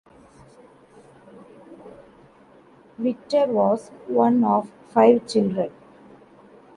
Victor was one of five children.